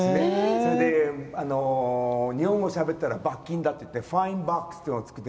それで、日本語をしゃべったら罰金だといってファインボックスというのを作って。